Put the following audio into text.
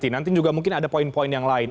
nanti juga mungkin ada poin poin yang lain